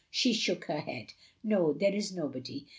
She shook her head. " No, there is nobody.